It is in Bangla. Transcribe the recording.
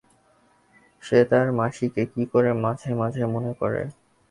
সে তার মাসিকে কি মাঝে মাঝে মনে করে?